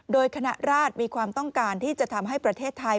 โดยคณะราชมีความต้องการที่จะทำให้ประเทศไทย